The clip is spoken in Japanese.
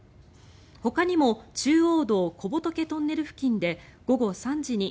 ほかにも中央道小仏トンネル付近で午後３時に２５ｋｍ